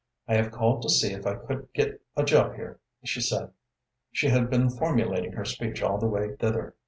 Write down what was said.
"I have called to see if I could get a job here?" she said. She had been formulating her speech all the way thither.